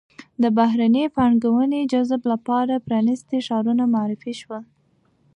د بهرنۍ پانګونې جذب لپاره پرانیستي ښارونه معرفي شول.